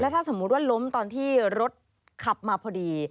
ถ้าสมมุติว่าล้มตอนที่รถขับมาพอดี